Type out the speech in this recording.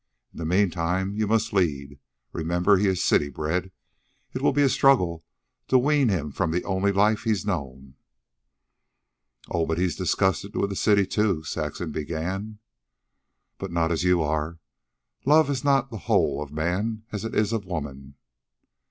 In the meantime, you must lead. Remember, he is city bred. It will be a struggle to wean him from the only life he's known." "Oh, but he's disgusted with the city, too " Saxon began. "But not as you are. Love is not the whole of man, as it is of woman.